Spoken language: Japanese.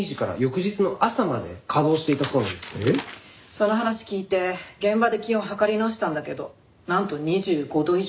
その話聞いて現場で気温を測り直したんだけどなんと２５度以上もあったの。